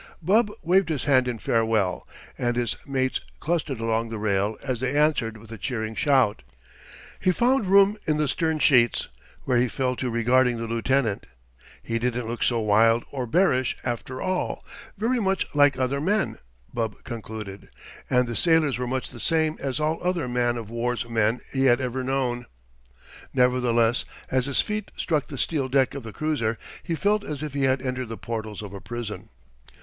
Bub waved his hand in farewell, and his mates clustered along the rail as they answered with a cheering shout. He found room in the stern sheets, where he fell to regarding the lieutenant. He didn't look so wild or bearish after all—very much like other men, Bub concluded, and the sailors were much the same as all other man of war's men he had ever known. Nevertheless, as his feet struck the steel deck of the cruiser, he felt as if he had entered the portals of a prison.